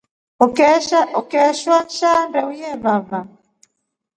Ukeeshwa nshaa ndeu yevava.